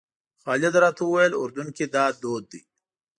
خالد راته وویل اردن کې دا دود دی.